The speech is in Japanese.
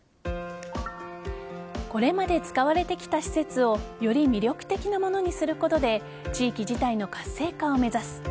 これまで使われてきた施設をより魅力的なものにすることで地域自体の活性化を目指す。